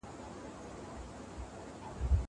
څېړونکی د موضوع اړخونه څېړي.